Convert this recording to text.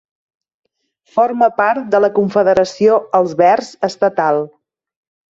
Forma part de la Confederació Els Verds estatal.